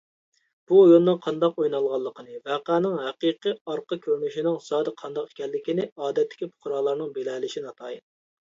بۇ ئويۇننىڭ قانداق ئوينالغانلىقىنى، ۋەقەنىڭ ھېقىقى ئارقا كۆرۈنۈشىنىڭ زادى قانداق ئىكەنلىكىنى ئادەتتىكى پۇقرالارنىڭ بىلەلىشى ناتايىن.